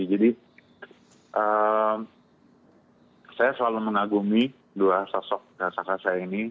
jadi saya selalu mengagumi dua sosok kakak kakak saya ini